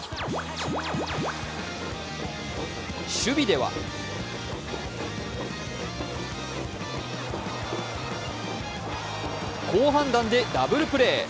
守備では好判断でダブルプレー。